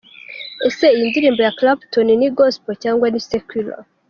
Ese iyi ndirimbo ya Clapton ni Gospel cyangwa ni Secular?.